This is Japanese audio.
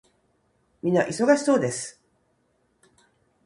皆忙しそうです。